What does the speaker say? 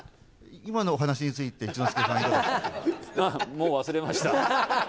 今のお話について、一之輔さもう忘れました。